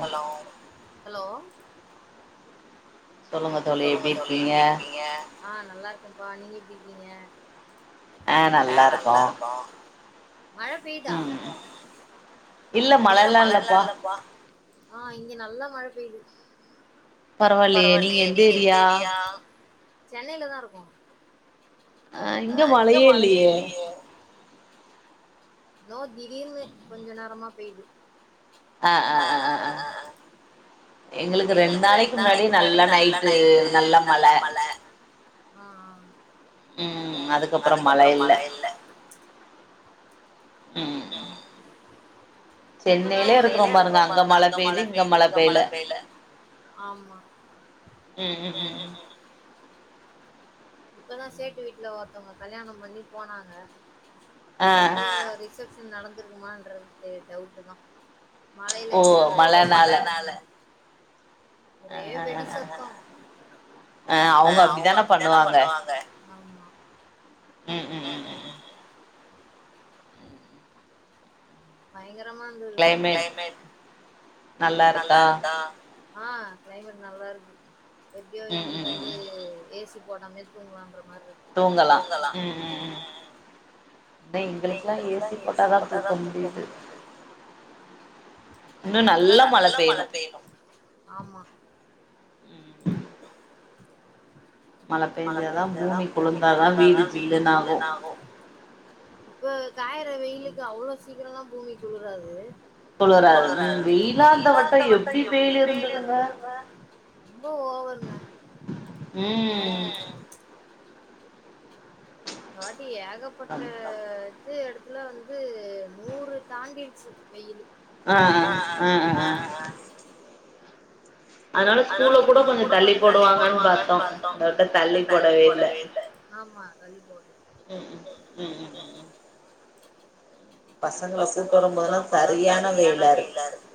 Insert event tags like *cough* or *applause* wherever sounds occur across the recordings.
hello hello சொல்லுங்க தோழி எப்டிர்கீங்க ஆ நல்லா ருக்கெம்ப்பா நீங்க எப்டி இருக்கீங்க ஆ நல்லாருக்கோ மழ பெயுதா இல்ல மழலா இல்லப்பா ஆ இங்க நல்லா மழ பெய்து பரவால்லையே நீங்க எந்த ஏரியா சென்னையிதா இருக்கோ அ இங்க மழயே இல்லையே இதோ திடீர்னு கொஞ்ச நேரமா பெய்து அ அ அ அ எங்களுக்கு ரெண் நாளெக்கி முன்னாடி நல்லா நைட்டு நல்லா மழ ம் அதுக்கப்பறம் மழ இல்ல ம் சென்னையிலே இருக்குறோ பாருங்க அங்க மழ பெய்து இங்க மழ பெய்ல ஆமா ம் ம் ம் ம் இப்பதா சேட்டு வீட்ல ஒருத்தவங்க கல்யாணம் பண்ணி போனாங்க இப்ப ரிச ப்சன் நடந்திருக்குமான்றது தெ டவுட்டு தா மழையில *unintelligible* ஒரே வெடி சத்தோ அங்க ம் ம் ம் பயங்கரமா இருந்தது சத் ஆ க்ளைமேட் நல்லாருக்கு எப்டியோ இன்னைக்கு வந்து ஏ சி போடாமே தூங்கலான்ற மார்ருக்கு தூங்கலா ம் ம் ம் டே எங்களுக்கெல்லா ஏ சி போட்டாதா தூக்க முடியுது இன்னு நல்லா மழ பெய்யணு ஆமா மழ பெஞ்சாதா பூமி குளுந்தாதா வீடு சில்லுனாகு இப்ப காயற வெயிலுக்கு அவ்ளோ சீக்கிரலா பூமி குளுராது குளுராது வெயிலா இந்த வட்ட எப்டி வெயிலு இருந்ததுங்க ரொம்ப ஓவருங்க ம் இந்த வாட்டி ஏகப்பட்ட து எடத்துல வந்து நூறு தாண்டிடுச்சு வெயிலு ஆ ஆ ஆ ஆ அதனால ஸ்கூல கூட கொஞ்ச தள்ளி போடுவாங்கன்னு பாத்தோ *unintelligible* தள்ளி போடவே இல்ல தள்ளி போடல ம் ம் ம் ம் ம் பசங்கள கூட்டு வரும்போதல்லா சரியான வெய்லா இருக்கு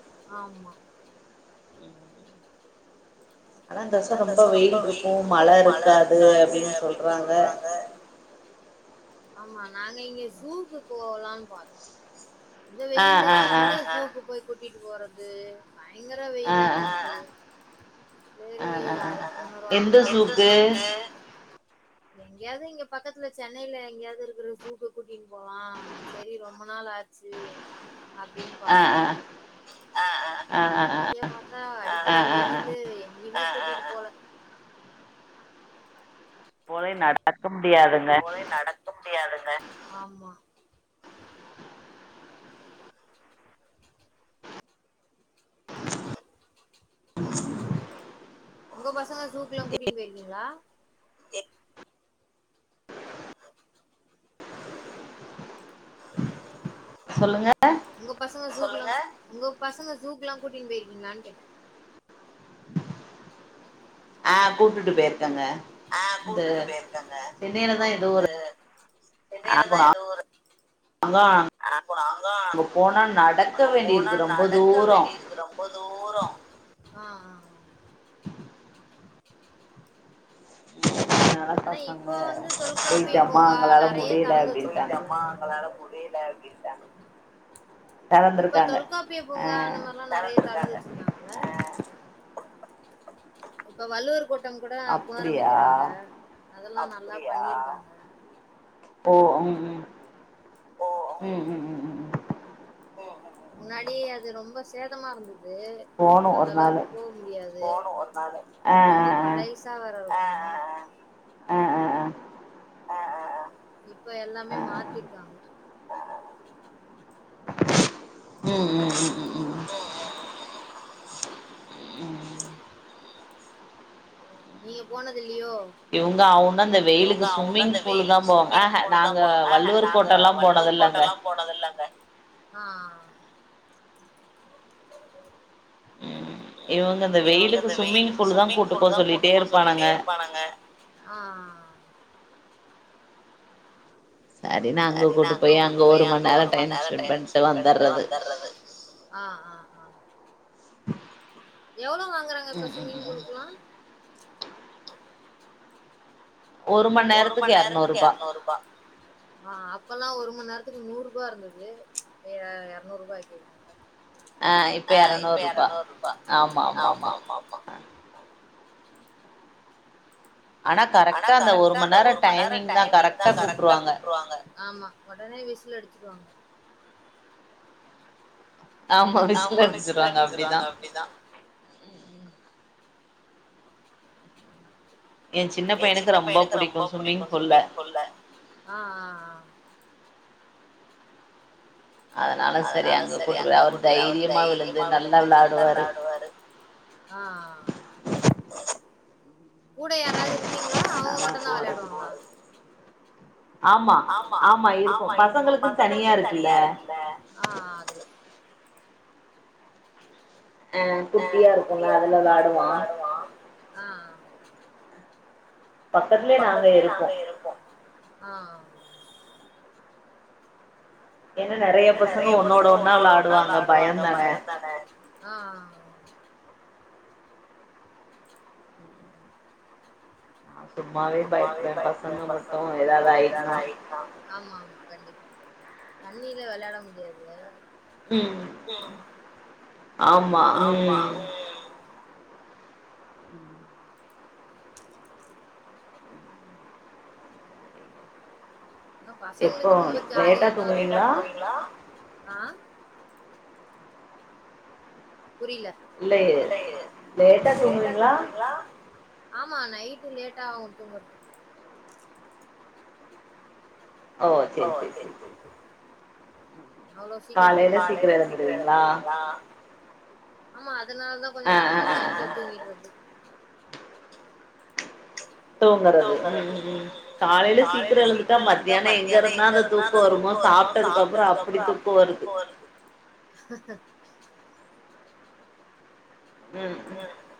ஆனா இந்த வருஷ ரொம்ப வெயில் இருக்கு மழ இருக்காது அப்டின்னு சொல்றாங்க ஆமா நாங்க இங்க ஜூக்கு போலானு பாத்தோ இந்த வெயில்ல எந்த ஜூக்கு போய் கூட்டிட்டு போறது பயங்கர வெயிலா இருக்கு சேரி இன்னொரு வாட்டி பாத்துக்களானு எங்கேயாவது இங்க பக்கத்துல சென்னையில எங்கயாவது இருக்கிற ஜூக்கு கூட்டின்னு போலா சரி ரொம்ப நாள் ஆச்சு அப்டின்னு பாத்தோ ஆ ஆ இங்கே பாத் அடிக்கர வெயில எங்கேய்மே கூட்டிட் போல போலே நா நடக்க முடியாது போலே நடக்க முடியாதுங்க *inaudible* உங்க பசங்க சூக்லா கூட்டிட்டு போயிருக்கீங்ளா *inaudible* சொல்லுங்க உங்க பசங்க ஜூக்கு உங்க பசங்க ஜூக்குலா கூட்டிட்டு போயிருக்கீங்ளானு கேட்டே ஆ கூட்டுட்டு போய்ருக்கங்க இது சென்னைலதா இது ஊரு அப்போ நாங்க அங்க போனா நடக்க வேண்டி இருக்கிறோம் ம்ப தூரோ ஆனா இப்ப வந்து தொல்காப்பிய பூங்கா நெறைய தெறந்து வச்சுருக்காங்க *unintelligible* இப்ப தொல்காப்பிய பூங்கா அந்த மாரிலா நெறைய தெரந்து வச்சிருக்காங்கல்ல இப்ப வள்ளுவர் கோட் இப்ப கூட புராரமிக்கிறாங்க அதெல்லா நல்லா பண்ணிருக்காங்க ஓ ம் ம் ம் ம் ம் ம் முன்னாடி அது ரொம்ப சேதமா இருந்தது அந்த அளவுக்கு போ முடியாது ரொம்ப பழைசா வேர இருக்கு அ அ அ அ அ அ இப்ப எல்லாமே மாத்திர்க்காங்க ம் ம் ம் ம் ம் *unintelligible* ம் நீங்க போனதில்லையோ இவுங்க அவுன்னா இந்த வெயிலுக்கு சும்மிங் ஃபூல் தா போவாங்க ஆஹ நாங்க வல்லூர் கோட்டல்லா போனதல்லங்க ஆ ஆ இவுங்க இந்த வெயிலுக்கு சும்மிங் ஃபூல் தா கூட்டுப்போ சொல்லிட்டே இருப்பானுங்க ஆ ஆ ஆ சரின்னு அங்க கூட்டு போய் அங்க ஒரு மண்நேர டைம் ஸ்பெண் பண்ட்டு வந்துற்றது ஆ ஆ ஆ எவ்ளோ வாங்குறாங்க இப்ப சும்மிங் ஃபூல்க்குல்லா ஒரு மண்நேரத்துக்கு எறநூறுபா ஆ அப்பெல்லா ஒரு மண்நேரத்துக்கு நூறுபா இருந்தது எறநூறுபா ஆக்கிருக்காங்க ஆ இப்ப எறநூறுபா ஆமா ஆமா ஆமா ஆனா கரெக்டா அந்த ஒரு மண்நேரோ டைமிங் தா கரெக்டா கூப்ட்ருவாங்க ஆமா ஒடனே விசில் அடிச்சுருவாங்க ஆமா விசில் அடிச்சிருவாங்க அப்டிதா எ சின்ன பையனுக்கு ரொம்ப பிடிக்கு சும்மிங் ஃபூல்ல அதனால சரி அங்க கூட்டுக் அவரு தைரியமா விழுந்து நல்லா விளாடுவாரு ஆ கூட யாராவுது இருப்பீங்ளா அவுங்க மட்டந்தா வெளையாடுவாங்ளா ஆம்மா ஆம்மா இப்போ பசங்களுக்கு தனியா இருக்குல்ல குட்டியா இருக்குள்ள அதுல விளாடுவா ஆ ஆ பக்கத்துலே நாங்க இருப்போ என்ன நெறைய பசங்க ஒன்னோட ஒன்னா விளாடுவாங்க பயோந்தான சும்மாவே பயப்டுவ பசங்க மட்டோ எதாவுது ஆய்ட்னா ஆம்மாம்மா கண்டிப்பா தண்ணில வெளையாட முடியாது ஆமா ம் ம் இங்க பசங்களுக்கு ரொம்ப ஜாலியாதா இருக்கு லேட்டா தூங்குறிங்ளா ஆ புரில இல்லயே லேட்டா தூங்குறீங்ளா ஆமா நைட்டு லேட்டாவு தூங்குறதுக்கு ஓ செர் செர் செர் காலைல சீக்ரோ எழுந்துருவீங்ளா ஆமா அதனாலதா கொஞ்சோ நேரோ மத்தியானத்ல தூங்கிறது தூங்கறது ம் ம் ம் காலையில சீக்கிர எழுந்துட்டா மத்தியான எங்க *unintelligible* *unintelligible* தூக்கோ வருமோ சாப்ட்டதுக்கு அப்புறோ அப்டி தூக்கோ வருது ம் ம்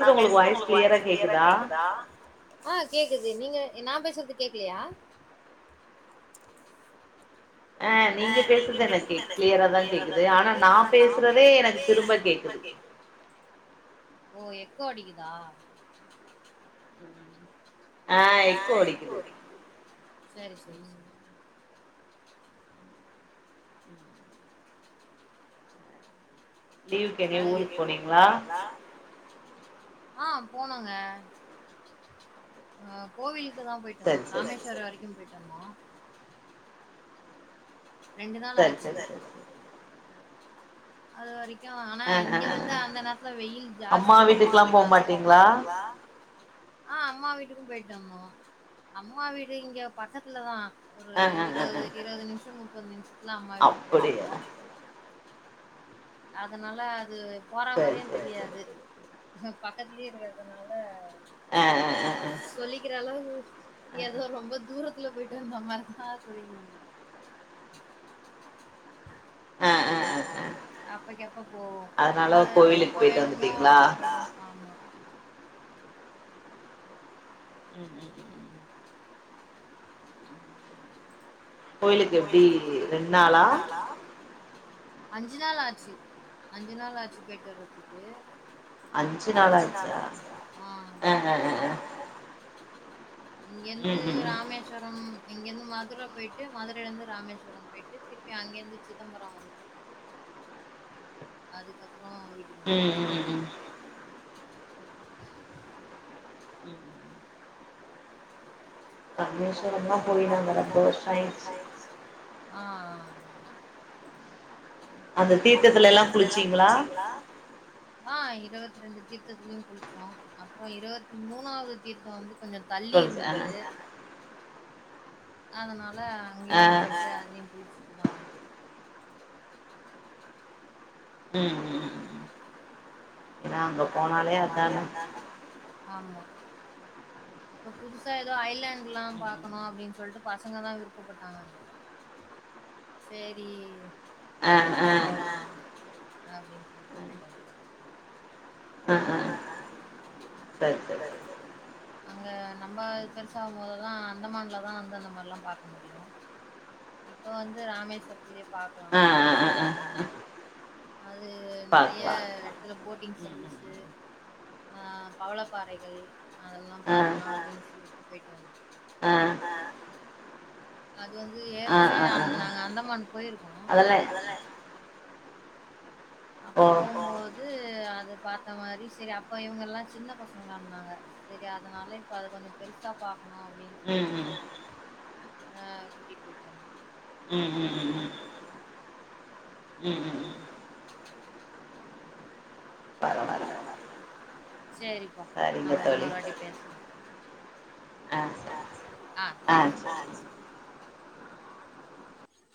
நா பேசுறது உங்க்ளுக்கு வாய்ஸ் கிளியரா கேக்குதா ஆ கேக்குது நீங்க நா பேசுறது கேக்லையா ஆ நீங்க பேசுறது எனக்கு கிளியராதா கேக்குது ஆனா நா பேசுறதே எனக்கு திரும்ப ஓ எக்கோ அடிக்குதா ஆ எக்கோ அடிக்குது *unintelligible* ஊருக்கு போனிங்ளா ஆ போனோங்க ஆ கோவிலுக்குதா போயிட்டு வந்தோ ராமேஸ்வரோ வரைக்கு போயிட்டு வந்தோ ரெண்டு நாள் ஆச்சி அது வரைக்கும் ஆனா இங்க வந்து அந்த நேரத்துல வெயில் ஜாஸ்தின்னு போட்டுருந்தாங்க ஆ அம்மா வீட்டுக்கு போயிட்டு வந்தோ அம்மா வீடு இங்க பக்கத்துலதா ஒரு இருவது இருவது நிமிஷோ முப்பது நிமிஷத்துல அம்மா வீட்டுக்கு போய்டுவோ அதனால அது போற மாரியு தெரியாது *unintelligible* பக்கத்திலே இருக்றதுனால ஆ சொல்லிக்கிற அளவு ஏதோ ரொம்ப தூரத்துல போயிட்டு வந்த மாரிதா சொல்லிகுனு அப்பைக்கு அப்ப போவோ எப்ப எப்ப வேணுமோ அப்ப போய்டுவோ ஆமா ம் ம் ம் கோயிலுக்கு எப்டி ரெண்ட் நாளா அஞ்சு நாள் ஆச்சு அஞ்சிநாள் ஆச்சு போயிட்டு வர்றதுக்கு அஞ்சி நாளாச்சா ஆ ஆ ஆ இங்கந்து ராமேஸ்வரம் இங்கெந்து மதுர போயிட்டு மதுரையில இருந்து ராமேஸ்வரம் போயிட்டு திருப்பி அங்கேர்ந்து சிதம்பரம் வந்துட்டு அதுக்கப்றோ வீட்டுக்கு வந்தாச்சி சந்தோஷமெல்லா போயி நாங்க ரெண்டு வருஷோ ஆச்சி ஆ ஆ அந்த தீர்த்தத்துலல்லா குளிச்சிங்க்ளா ஆ இருபத்தி ரெண்டு தீர்த்தத்திலியு குளிச்சோ அப்றோ இருபத்தி மூணாவது தீர்த்தோ வந்து கொஞ்ச தள்ளி இருந்துது அதனால அங்கேயு போயிட்டு அதையு குளிச்சிட்டுதா வந்தோ ம் ம் ஏனா அங்க போனால அதானே ஆமா இப்ப புதுசா ஏதோ ஐலாண்ட்லா பாக்கணு அப்டின் சொல்ட்டு பசங்கதா விருப்பப்பட்டாங்க சேரி அதனால போல அப்படின் சொல்லிட்டு போயிட்டாங்க ஆ ஆ சேரி சேரி சேரி அங்க நம்ப பெருசாகு போதுல்லா அந்தமான்லதா வந்து அந்த மாரில்லா பாக்க முடியு இப்ப வந்து ராமேஸ்வரத்துலியே பாக்கலா ஆ ஆ ஆ அது நெறையா எடத்துல போட்டிங் சர்வீஸு ஆ பவளப்பாறைகள் அதெல்லா பாக்லா அப்டின்னு சொல்லிட்டு பெயிட்டு வந்தோ அ அது வந்து ஏற்கனவே அ நாங்க அந்தமான் போய்ருக்கோ அதல்லே அப்ப போம்போது அத பாத்த மாரி செரி அப்ப இவுங்கல்லா சின்ன பசங்களாருந்தாங்க செரி அதனால இப்ப அத கொஞ்ச பெருசா பாக்ணு அப்டின் சொல்லிட்டு அ அ அ கூட்டிட் பெய்ட்டு வந்தோ ம் ம் ம் ம ம் சேரிப்பா நம்ம இன்னொரு வாட்டி பேஸ்லா அ சரி அ தேங்ஸ் ஆ சரி